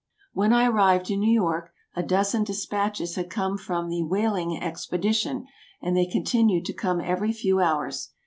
When I arrived in New York, a dozen despatches had come from the "whaling expedition," and they continued to come every few hours.